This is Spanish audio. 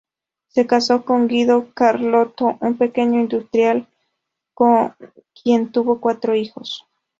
Se casó con Guido Carlotto, un pequeño industrial, con quien tuvo cuatro hijos.